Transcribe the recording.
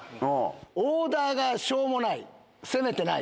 オーダーがしょうもない。